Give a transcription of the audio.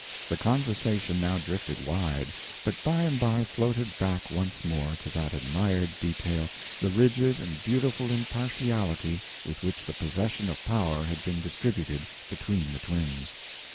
The conversation now drifted wide, but by and by floated back once more to that admired detail, the rigid and beautiful impartiality with which the possession of power had been distributed, between the twins.